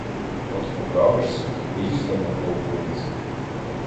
От поправишся, то поїздимо по околицях.